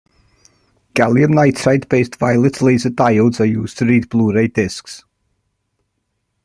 GaN-based violet laser diodes are used to read Blu-ray Discs.